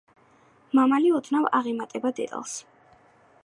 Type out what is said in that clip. მამალი ოდნავ აღემატება დედალს.